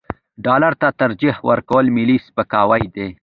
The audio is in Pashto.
ډالر ته ترجیح ورکول ملي سپکاوی دی.